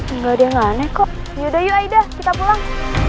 enggak ada yang aneh kok yaudah aida kita pulang